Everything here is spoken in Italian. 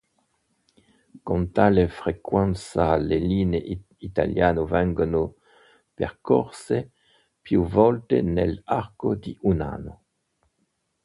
Con tale frequenza le linee italiane vengono percorse più volte nell'arco di un anno.